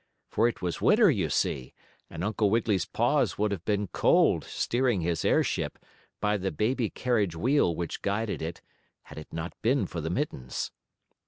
For it was winter, you see, and Uncle Wiggily's paws would have been cold steering his airship, by the baby carriage wheel which guided it, had it not been for the mittens.